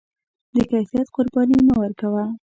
د کیفیت قرباني مه ورکوه.